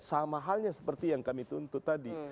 sama halnya seperti yang kami tuntut tadi